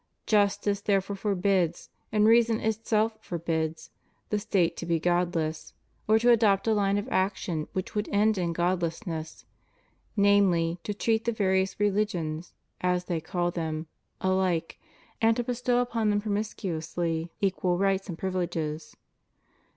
Justice therefore forbids, and reason itself forbids, the State to be godless; or to adopt a line of action which would end in godlessness — namely, to treat the various religions (as they call them) alike, and to bestow upon them pro miscuously equal rights and privileges.